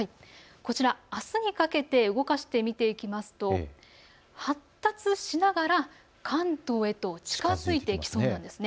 こちら、あすにかけて動かして見ていきますと発達しながら関東へと近づいてきそうなんです。